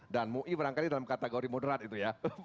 dan mui berangkali dalam kategori muderat itu ya